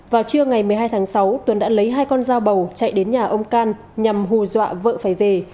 vào trưa ngày một mươi hai tháng sáu tuấn đã lấy hai con dao bầu chạy đến nhà ông can nhằm hù dọa vợ phải về